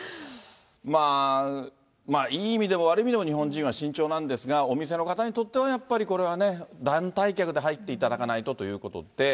まあ、いい意味でも悪い意味でも、日本人は慎重なんですが、お店の方にとってはやっぱりこれはね、団体客で入っていただかないとということで。